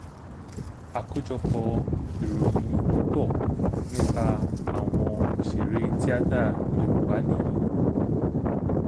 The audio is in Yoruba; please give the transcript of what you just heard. Àkójọpọ̀ ìròyìn púpọ̀ nípa àwọn òṣèré tíátà Yorùbá nìyí.